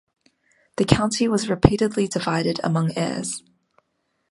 The county was repeatedly divided among heirs.